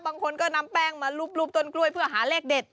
บางคนก็นำแป้งมารูปต้นกล้วยเพื่อหาเลขเด็ด